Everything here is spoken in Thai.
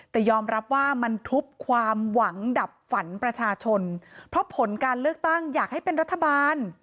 แต่ยอมรับว่ามันทุบความหวังดับฝันประชาชนเพราะผลการเลือกตั้งอยากให้เป็นรัฐบาล